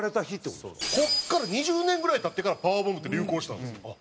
ここから２０年ぐらい経ってからパワーボムって流行したんですよ。